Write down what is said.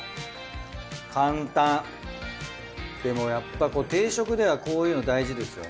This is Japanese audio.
簡単でもやっぱ定食ではこういうの大事ですよね。